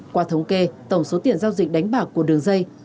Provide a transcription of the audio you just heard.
qua thống kê tổng số tiền giao dịch đánh bạc của đường dây